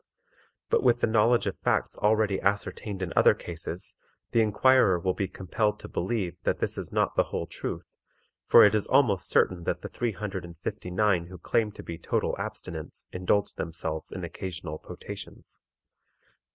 But with the knowledge of facts already ascertained in other cases, the inquirer will be compelled to believe that this is not the whole truth, for it is almost certain that the three hundred and fifty nine who claim to be total abstinents indulge themselves in occasional potations.